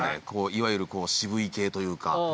いわゆる渋い系というか。